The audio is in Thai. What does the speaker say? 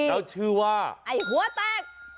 แล้วชื่อว่าไอ้หัวแตก